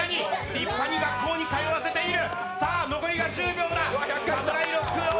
立派に学校に通わせている。